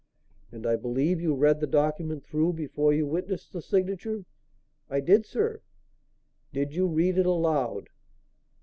"And I believe you read the document through before you witnessed the signature?" "I did, sir." "Did you read it aloud?"